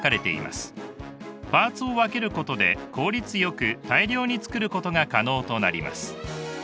パーツを分けることで効率よく大量に作ることが可能となります。